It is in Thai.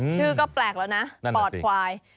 ชื่อก็แปลกแล้วนะปอดควาย